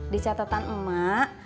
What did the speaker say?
di catatan emak